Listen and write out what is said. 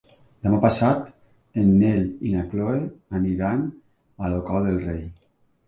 Demà passat en Nel i na Chloé aniran a Olocau del Rei.